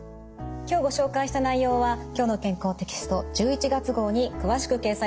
今日ご紹介した内容は「きょうの健康」テキスト１１月号に詳しく掲載されています。